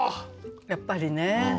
やっぱりね。